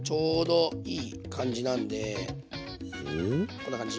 こんな感じ。